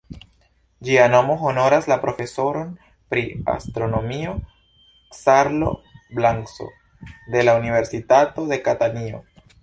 Ĝia nomo honoras la profesoron pri astronomio "Carlo Blanco", de la Universitato de Katanio.